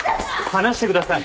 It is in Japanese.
放してください。